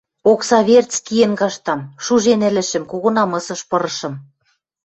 Окса верц киэн каштам, шужен ӹлӹшӹм, кого намысыш пырышым...